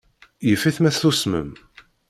Yif-it ma tsusmem.